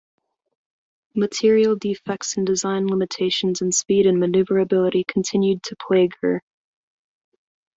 Material defects and design limitations in speed and maneuverability continued to plague her.